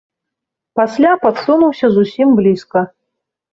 Пасля падсунуўся зусім блізка.